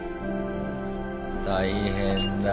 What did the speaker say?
大変だ。